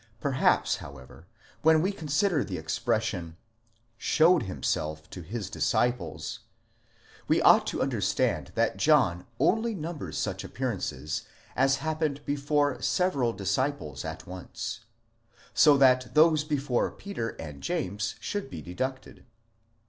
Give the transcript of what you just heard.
Perhaps, however, when we consider the expression : showed himself to his disciples, ἐφανερώθη τοῖς μαθη ταῖς αὑτοῦ, we ought to understand that John only numbers such appearances as happened before several disciples at once, so that those before Peter and James should be deducted.